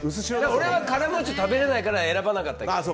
俺はカラムーチョ食べれないから選ばなかったけど。